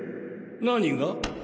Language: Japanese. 何が？